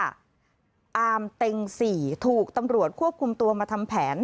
อามเต็ง๔ถูกตำรวจควบคุมตัวมาทำแผน